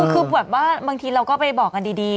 คือแบบว่าบางทีเราก็ไปบอกกันดี